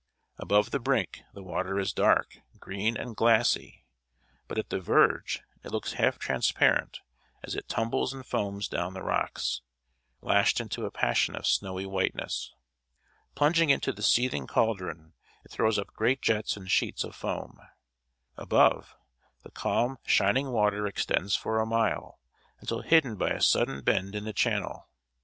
Above the brink, the water is dark, green, and glassy, but at the verge it looks half transparent, as it tumbles and foams down the rocks, lashed into a passion of snowy whiteness. Plunging into the seething caldron, it throws up great jets and sheets of foam. Above, the calm, shining water extends for a mile, until hidden by a sudden bend in the channel.